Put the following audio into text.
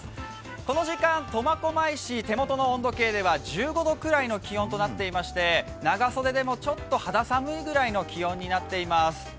この時間、苫小牧市、手元の温度計では１５度ぐらいの気温になっていまして長袖でもちょっと肌寒いぐらいの気温になっています。